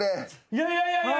いやいやいやいや。